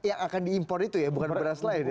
yang akan diimpor itu ya bukan beras lain ya